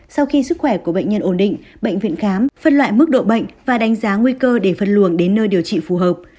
sau khi sức khỏe của bệnh nhân ổn định bệnh viện khám phân loại mức độ bệnh và đánh giá nguy cơ để phân luồng đến nơi điều trị phù hợp